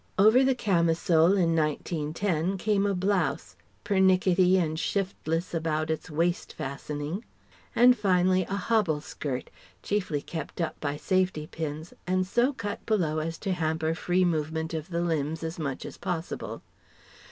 Over the camisole, in 1910, came a blouse, pernickety and shiftless about its waist fastening; and finally a hobble skirt, chiefly kept up by safety pins, and so cut below as to hamper free movement of the limbs as much as possible.